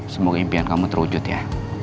semoga impian kamu terwujud ya